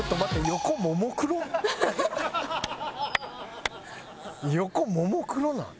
横ももクロなん？